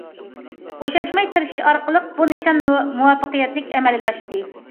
بوشاشماي تىرىشىش ئارقىلىق، بۇ نىشان مۇۋەپپەقىيەتلىك ئەمەلگە ئاشتى.